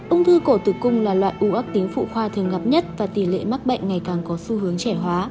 ung thư cổ tử cung là loại uốc tính phụ khoa thường gặp nhất và tỷ lệ mắc bệnh ngày càng có xu hướng trẻ hóa